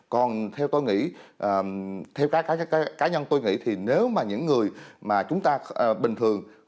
còn theo tôi nghĩ theo các cá nhân tôi nghĩ thì nếu mà những người mà chúng ta bình thường